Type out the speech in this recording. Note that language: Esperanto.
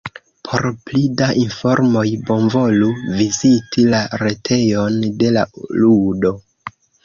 Por pli da informoj bonvolu viziti la retejon de la ludo.